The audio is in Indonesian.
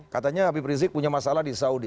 katanya habib rizik punya masalah di saudi